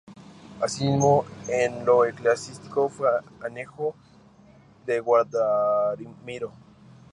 Asimismo, en lo eclesiástico fue anejo de Guadramiro.